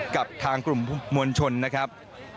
กับทางกลุ่มมวลชนนะครับ